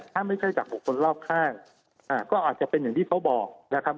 ถ้าไม่ใช่จากบุคคลรอบข้างก็อาจจะเป็นอย่างที่เขาบอกนะครับ